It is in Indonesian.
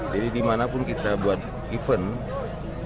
jadi dimanapun kita buat event